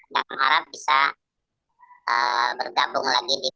jangan mengharap bisa bergabung lagi di prode